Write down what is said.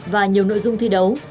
và nhiều nội dung thi đấu